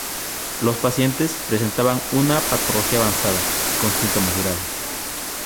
Los pacientes presentaban una patología avanzada, con síntomas graves.